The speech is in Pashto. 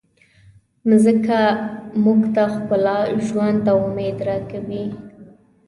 مځکه موږ ته ښکلا، ژوند او امید راکوي.